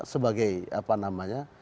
sebagai apa namanya